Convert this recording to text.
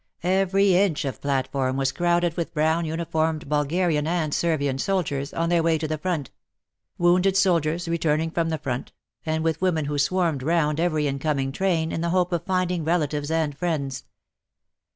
Every inch of platform was crowded with brown uniformed Bulgarian and Servian soldiers, on their way to the front — wounded soldiers returning from the front — and with women who swarmed round every incoming train in the hope of finding relatives and friends.